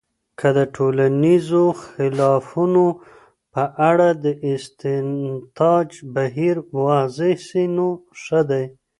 که د ټولنیزو خلافونو په اړه د استنتاج بهیر واضحه سي، نو ښه دی.